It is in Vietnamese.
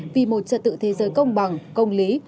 vì một trật tự thế giới công bằng công lý